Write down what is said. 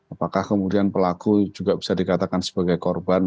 apakah kemudian pelaku juga bisa dikatakan sebagai korban